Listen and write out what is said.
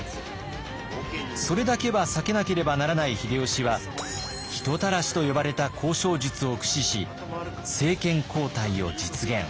それだけは避けなければならない秀吉は「人たらし」と呼ばれた交渉術を駆使し政権交代を実現。